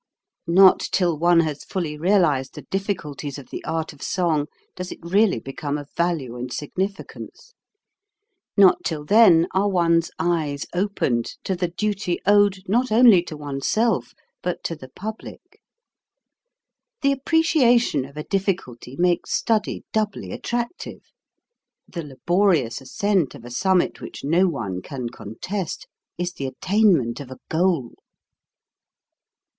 Not till one has fully realized the difficulties of the art of song does it really become of value and singificance. Not till then are one's eyes opened to the duty THEODOR WACHTEL 169 owed not only to one's self but to the public. The appreciation of a difficulty makes study doubly attractive; the laborious ascent of a summit which no one can contest, is the at tainment of a goal.